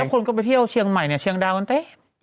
แล้วคนก็ไปเที่ยวเชียงใหม่เชียงดาวน์ต๊ะ